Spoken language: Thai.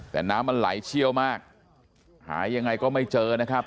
แต่น้ำมันไหลเชี่ยวมากหายังไงก็ไม่เจอนะครับ